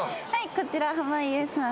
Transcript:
こちら山内さん。